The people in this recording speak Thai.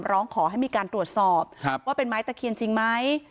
ร้องขอให้มีการตรวจสอบว่าเป็นไม้ตะเคียนจริงไหม